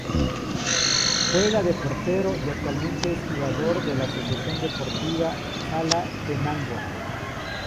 Juega de portero y actualmente es jugador de la Asociación Deportiva Chalatenango.